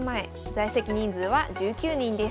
在籍人数は１９人です。